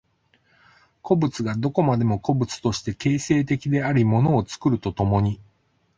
個物がどこまでも個物として形成的であり物を作ると共に、